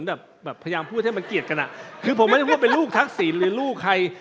แบบแบบพยายามพูดให้มันเกลียดกันอ่ะคือผมไม่ได้พูดเป็นลูกทักษิณหรือลูกใคร